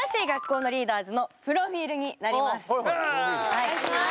お願いします。